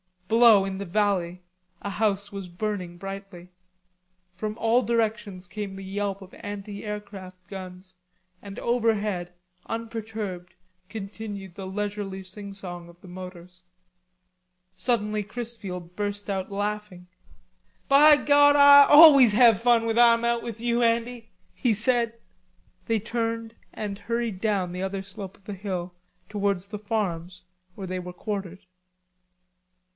Below in the valley a house was burning brightly. From all directions came the yelp of anti aircraft guns, and overhead unperturbed continued the leisurely singsong of the motors. Suddenly Chrisfield burst out laughing. "By God, Ah always have fun when Ah'm out with you, Andy," he said. They turned and hurried down the other slope of the hill towards the farms where they were quartered.